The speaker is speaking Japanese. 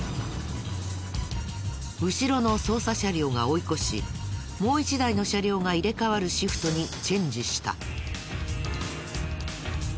後ろの捜査車両が追い越しもう一台の車両が入れ替わるシフトにチェンジした。